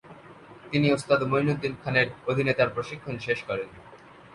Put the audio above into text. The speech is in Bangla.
তিনি ওস্তাদ মইনুদ্দিন খানের অধীনে তাঁর প্রশিক্ষণ শেষ করেন।